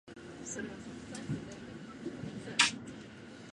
いいから黙って着いて来て